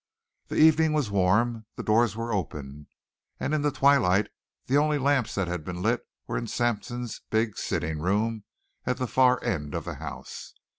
The evening was warm; the doors were open; and in the twilight the only lamps that had been lit were in Sampson's big sitting room at the far end of the house.